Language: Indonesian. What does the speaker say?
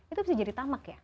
itu bisa jadi tamak ya